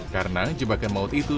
karena jebakan maut itu